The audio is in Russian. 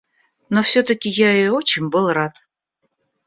Но всё-таки я ей очень был рад.